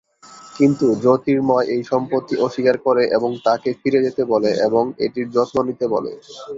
কিন্তু জ্যোতির্ময় এই সম্পত্তি অস্বীকার করে এবং তাকে ফিরে যেতে বলে এবং এটির যত্ন নিতে বলে।